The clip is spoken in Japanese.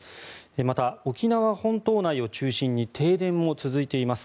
また、沖縄本島内を中心に停電も続いています。